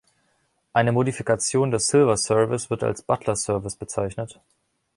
Eine Modifikation des Silver Service wird als Butler Service bezeichnet.